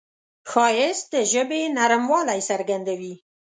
ښایست د ژبې نرموالی څرګندوي